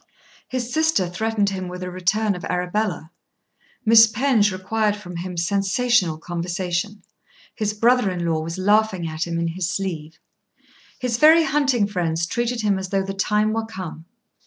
His sister threatened him with a return of Arabella. Miss Penge required from him sensational conversation. His brother in law was laughing at him in his sleeve. His very hunting friends treated him as though the time were come.